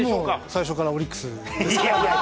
最初からオリックスです。